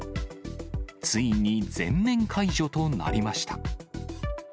ついに全面解除となりました。